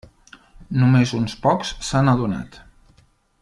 Només uns pocs s'han adonat.